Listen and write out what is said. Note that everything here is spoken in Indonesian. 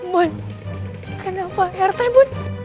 bon kenapa rt bon